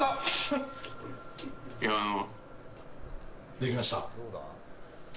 できました？